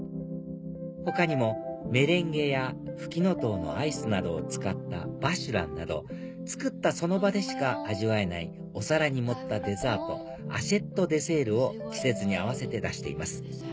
他にもメレンゲやフキノトウのアイスなどを使ったヴァシュランなど作ったその場でしか味わえないお皿に盛ったデザートアシェットデセールを季節に合わせて出しています